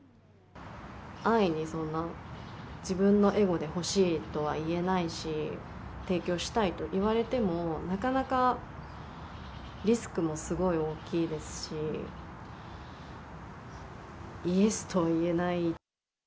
安易に、自分のエゴで、欲しいとは言えないし、提供したいと言われても、なかなか、リスクもすごい大きいですし、イエスとは言えない。